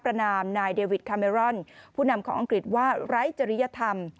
นามนายเดวิดคาเมรอนผู้นำของอังกฤษว่าไร้จริยธรรม